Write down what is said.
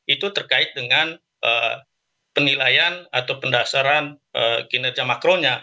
itu terkait dengan penilaian atau pendasaran kinerja makronya